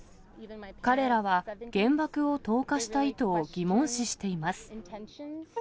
彼らは原爆を投下した意図を疑問視しています。